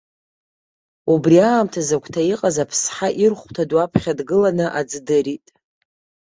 Убри аамҭаз, агәҭа иҟаз аԥсҳа ирхәҭа ду аԥхьа дгыланы аӡы дырит.